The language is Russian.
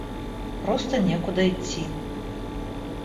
просто некуда идти.